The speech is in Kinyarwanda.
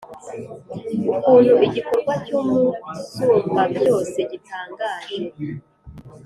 ukuntu igikorwa cy’Umusumbabyose gitangaje!